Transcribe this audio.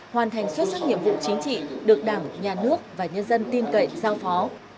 hoàn thành xuất sắc nhiệm vụ chính trị được đảng nhà nước và nhân dân tin cậy giao phó